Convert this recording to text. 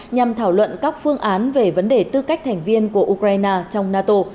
nhằm thảo luận các phương án về vấn đề tư cách thành viên của ukraine trong nato